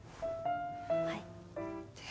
はい。